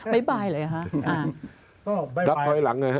บ๊ายบายเลยนะครับ